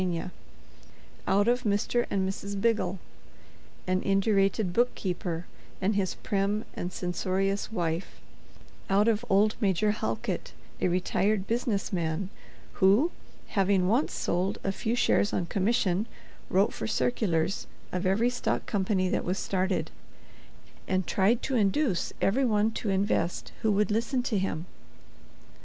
—out of Mr. and Mrs. Biggle, an indurated head bookkeeper and his prim and censorious wife—out of old Major Halkit, a retired business man, who, having once sold a few shares on commission, wrote for circulars of every stock company that was started, and tried to induce every one to invest who would listen to him?